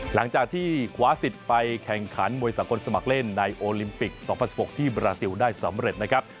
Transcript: หลังจากที่คว้าสิทธิ์ไปแข่งขันมวยสากลสมัครเล่นในโอลิมปิก๒๐๑๖ที่บราซิลได้สำเร็จนะครับ